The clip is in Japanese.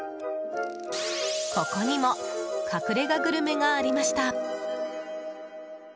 ここにも隠れ家グルメがありました。